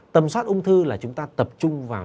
tầm soát ung thư là chúng ta tập trung vào